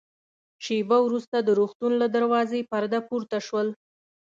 شېبه وروسته د روغتون له دروازې پرده پورته شول.